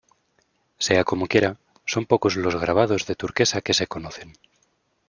Sea como quiera, son pocos los grabados de turquesa que se conocen.